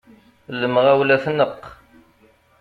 Lemɣawla tneqq.